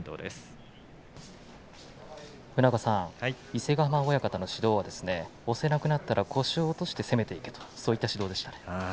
伊勢ヶ濱親方の指導は押せなくなったら腰を落として攻めていけというそういった指導でしたね。